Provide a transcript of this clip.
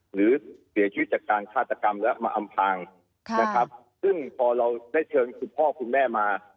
หรือเสียชีวิตจากการฆาตกรรมแล้วมาอำพางนะครับซึ่งพอเราได้เชิญคุณพ่อคุณแม่มา